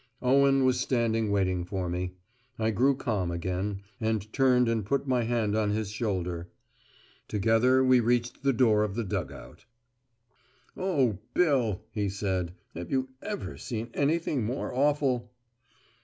Owen was standing waiting for me. I grew calm again, and turned and put my hand on his shoulder. Together we reached the door of the dug out. "Oh, Bill," he said, "have you ever seen anything more awful?"